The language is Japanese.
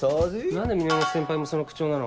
何で源先輩もその口調なの？